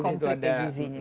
di situ komplit edizinya